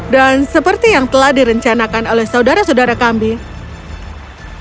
dan seperti yang telah direncanakan oleh saudara saudara kambing